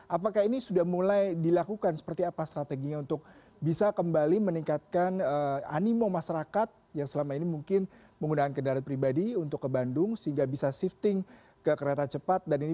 apakah ini sudah mulai dilakukan seperti apa strateginya untuk bisa kembali meningkatkan animo masyarakat yang selama ini mungkin menggunakan kendaraan pribadi untuk ke bandung sehingga bisa shifting ke kereta cepat dan ini